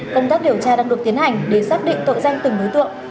công tác điều tra đang được tiến hành để xác định tội danh từng đối tượng